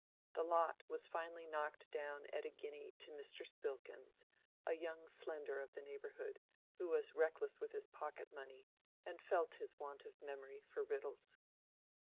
The lot was finally knocked down at a guinea to Mr. Spilkins, a young Slender of the neighborhood, who was reckless with his pocket money and felt his want of memory for riddles.